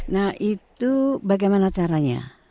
nah itu bagaimana caranya